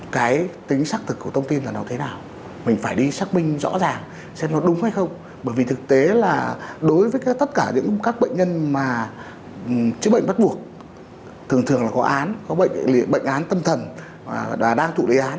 các bệnh nhân chữa bệnh bắt buộc thường thường là có án có bệnh án tâm thần và đang thụ lý án